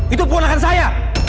itu pun akan saya